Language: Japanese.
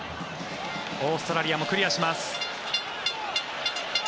オーストラリアもクリアします。